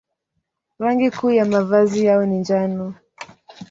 Rangi kuu ya mavazi yao ni njano.